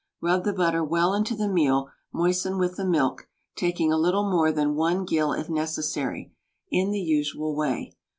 Rub the butter well into the meal, moisten with the milk (taking a little more than 1 gill if necessary), in the usual way.